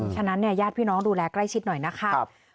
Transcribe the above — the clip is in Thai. ฉะนั้นเนี่ยญาติพี่น้องดูแลใกล้ชิดหน่อยนะครับ